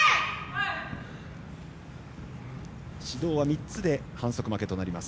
指導は３つで反則負けとなります。